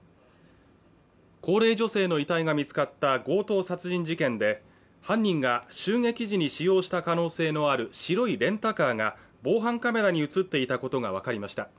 高齢女性の遺体が見つかった強盗殺人事件で犯人が襲撃時に使用した可能性のある白いレンタカーが防犯カメラに映っていたことが分かりました